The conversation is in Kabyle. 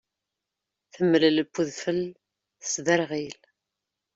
Temlel n udfel tesdderɣil.